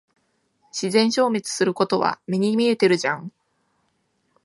自然消滅することは目に見えてるじゃん。